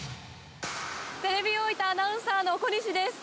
テレビ大分アナウンサーの小西です。